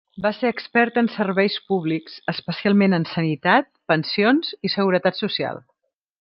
Va ser expert en serveis públics: especialment en sanitat, pensions i seguretat social.